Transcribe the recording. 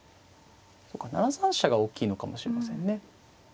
そうか７三飛車が大きいのかもしれませんね。